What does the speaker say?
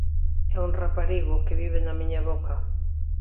É un raparigo que vive na miña boca.